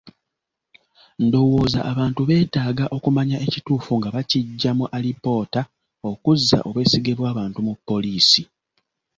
Ndowooza abantu beetaaga okumanya ekituufu nga bakiggya mu alipoota, okuzza obwesige bw'abantu mu poliisi.